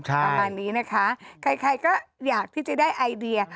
ประมาณนี้นะคะใครก็อยากที่จะได้ไอเดีย